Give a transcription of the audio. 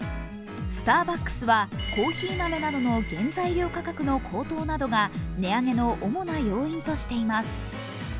スターバックスはコーヒー豆などの原材料価格の高騰などが値上げの主な要因としています。